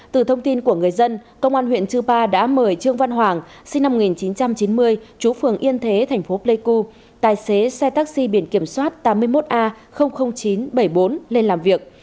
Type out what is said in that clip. từ thông tin của người dân công an huyện chư pa đã mời trương văn hoàng sinh năm một nghìn chín trăm chín mươi chú phường yên thế thành phố pleiku tài xế xe taxi biển kiểm soát tám mươi một a chín trăm bảy mươi bốn lên làm việc